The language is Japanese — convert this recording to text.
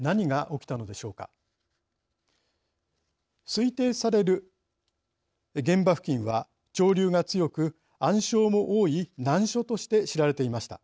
推定される現場付近は潮流が強く暗礁も多い難所として知られていました。